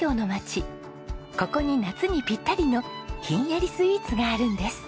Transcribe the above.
ここに夏にピッタリのひんやりスイーツがあるんです。